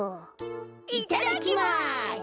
いただきます。